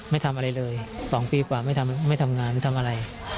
ไม่ทำอะไรเลย๒ปีกว่าไม่ทำงานไม่ทำอะไร